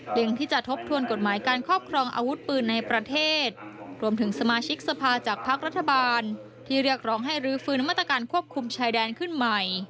ที่จะทบทวนกฎหมายการครอบครองอาวุธปืนในประเทศรวมถึงสมาชิกสภาจากพักรัฐบาลที่เรียกร้องให้รื้อฟื้นมาตรการควบคุมชายแดนขึ้นใหม่